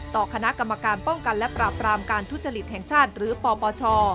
ต่อคณะกรรมการป้องกันและปราบรามการทุจริตแห่งชาติหรือปปช